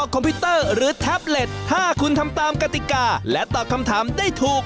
คอมพิวเตอร์หรือแท็บเล็ตถ้าคุณทำตามกติกาและตอบคำถามได้ถูก